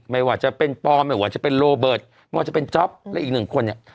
ไม่ว่าจะเป็นปอไม่ว่าจะเป็นโรเบิร์ตไม่ว่าจะเป็นจ๊อปและอีกหนึ่งคนเนี่ย